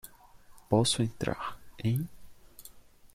Posso entrar em?